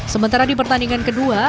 sementara di pertandingan kedua